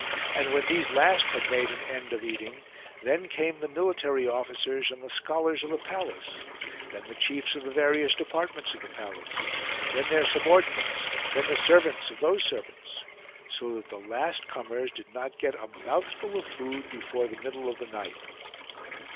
And when these last had made an end of eating then came the military officers and the scholars of the palace : then the chiefs of the various departments of the palace ; then their subordinates, then the servants of those servants. So that the last comers did not get a mouthful of food before the middle of the night.